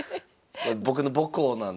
僕の母校なんで。